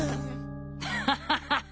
アハハハハハハ！